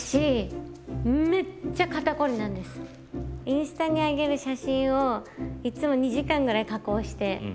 インスタに上げる写真をいつも２時間ぐらい加工して。